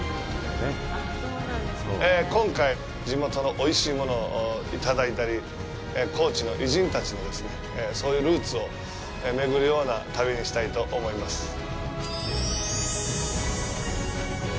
今回、地元のおいしいものをいただいたり、高知の偉人たちのそういうルーツをめぐるような、旅にしたいと思います。